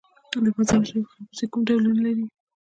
د مزار شریف خربوزې کوم ډولونه لري؟